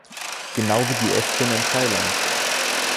Genau wie die Äffchen in Thailand.